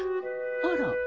あら。